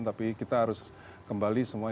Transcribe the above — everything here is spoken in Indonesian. tapi kita harus kembali semua